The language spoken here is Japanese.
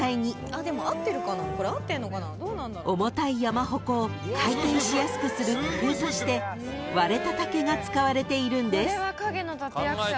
［重たい山鉾を回転しやすくする工夫として割れた竹が使われているんです］